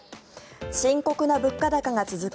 深刻な物価高が続く